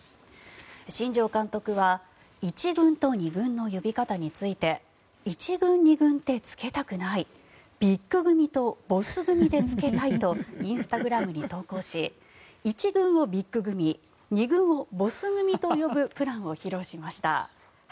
新庄監督は１軍と２軍の呼び方について１軍、２軍ってつけたくないＢＩＧ組とＢＯＳＳ組でつけたいとインスタグラムに投稿し１軍をＢＩＧ組２軍をＢＯＳＳ組と呼ぶプランを披露しました。